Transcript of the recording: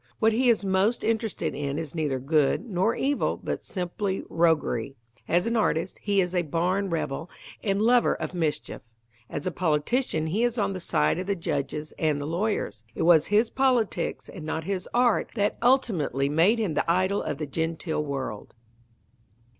What he is most interested in is neither good nor evil but simply roguery. As an artist, he is a barn rebel and lover of mischief. As a politician he is on the side of the judges and the lawyers. It was his politics and not his art that ultimately made him the idol of the genteel world.